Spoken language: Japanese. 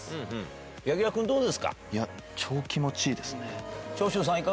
柳楽君、どうですか？